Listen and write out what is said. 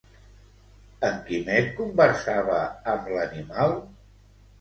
En Quimet conversava amb l'animal?